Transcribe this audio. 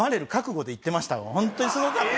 本当にすごかった。